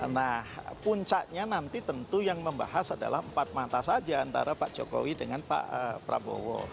nah puncaknya nanti tentu yang membahas adalah empat mata saja antara pak jokowi dengan pak prabowo